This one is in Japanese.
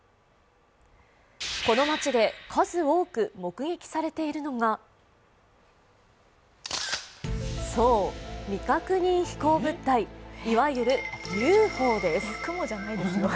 この町で数多く目撃されているのがそう、未確認飛行物体、いわゆるＵＦＯです。